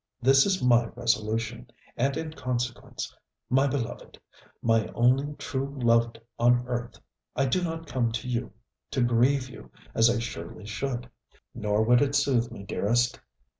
This is my resolution; and in consequence, my beloved! my only truly loved on earth! I do not come to you, to grieve you, as I surely should. Nor would it soothe me, dearest.